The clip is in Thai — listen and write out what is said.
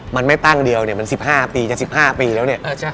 มันไม่ตั้งเดียวมัน๑๕ปีจะ๑๕ปีแล้ว